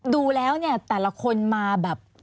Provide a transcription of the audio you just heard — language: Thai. ดูแล้วเนี่ยแต่ละคนมาแบบ